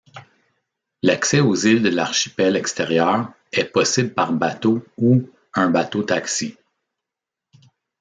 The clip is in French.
L'accès aux îles de l'archipel extérieur est possible par bateau ou un bateau-taxi.